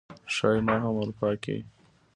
ښايي ما هم اروپا کې